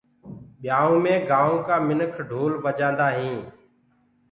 ٻيآئوٚ مي گآئونٚ ڪآ منک ڍول بجآندآ هينٚ۔